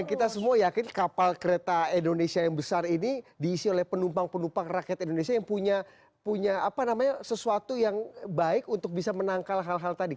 dan kita semua yakin kapal kereta indonesia yang besar ini diisi oleh penumpang penumpang rakyat indonesia yang punya sesuatu yang baik untuk bisa menangkal hal hal tadi